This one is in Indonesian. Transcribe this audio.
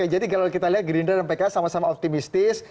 jadi kalau kita lihat gerindra dan pks sama sama optimistis